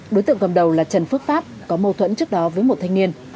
đối tượng cầm đầu là trần phước pháp có mâu thuẫn trước đó với một thanh niên